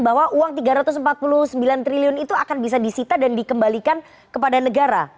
bahwa uang tiga ratus empat puluh sembilan triliun itu akan bisa disita dan dikembalikan kepada negara